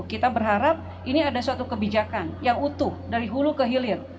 kita berharap ini ada suatu kebijakan yang utuh dari hulu ke hilir